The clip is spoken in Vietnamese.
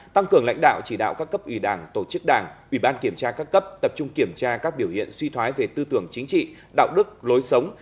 tăng cường lãnh đạo chỉ đạo các cấp ủy đảng tổ chức đảng ủy ban kiểm tra các cấp tập trung kiểm tra các biểu hiện suy thoái về tư tưởng chính trị đạo đức lối sống